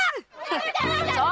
kejar kejar kejar